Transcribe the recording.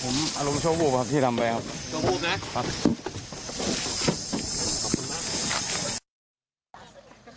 ขอโทษครับผมอารมณ์โชคบุคค่ะพี่ทำไปครับโชคบุคค่ะครับ